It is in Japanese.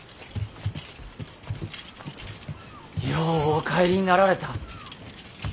ようお帰りになられた。